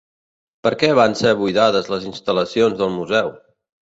Per què van ser buidades les instal·lacions del museu?